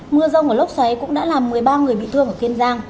mưa rông ở lốc xoáy cũng đã làm một mươi ba người bị thương ở kiên giang